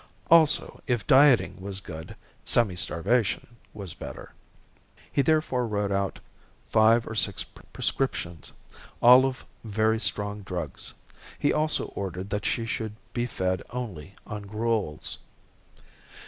Also, if dieting was good, semi starvation was better. He therefore wrote out five or six prescriptions, all of very strong drugs. He also ordered that she should be fed only on gruels.